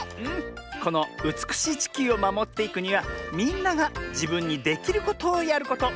このうつくしいちきゅうをまもっていくにはみんながじぶんにできることをやること。